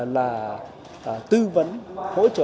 là tư vấn hỗ trợ